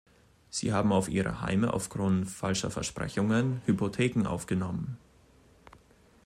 Sie haben auf ihre Heime aufgrund falscher Versprechungen Hypotheken aufgenommen.